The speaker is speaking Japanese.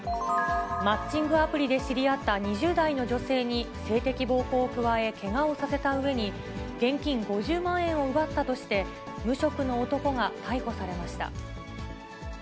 マッチングアプリで知り合った２０代の女性に、性的暴行を加え、けがをさせたうえに、現金５０万円を奪ったとして、無職の男が逮捕されました。